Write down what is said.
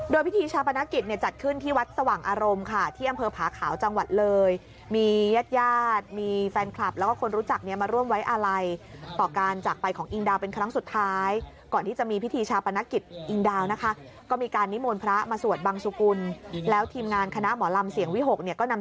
โดยพิธีชาปนกิจเนี่ยจัดขึ้นที่วัดสว่างอารมณ์ค่ะที่อำเภอผาขาวจังหวัดเลยมีญาติญาติมีแฟนคลับแล้วก็คนรู้จักเนี่ยมาร่วมไว้อาลัยต่อการจากไปของอิงดาวเป็นครั้งสุดท้ายก่อนที่จะมีพิธีชาปนกิจอิงดาวนะคะก็มีการนิมนต์พระมาสวดบังสุกุลแล้วทีมงานคณะหมอลำเสียงวิหกเนี่ยก็นำ